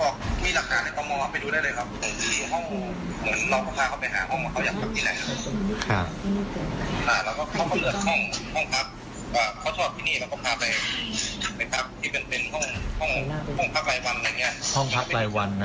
ห้องพักหลายวันนะคะ